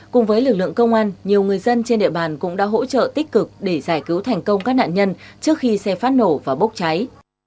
cùng với lực lượng công an nhiều người dân trên địa bàn cũng đã hỗ trợ tích cực để giải cứu thành công các nạn nhân trước khi xe phát nổ và bốc cháy